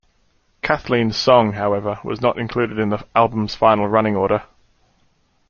"Kathleen's Song", however, was not included in the album's final running order.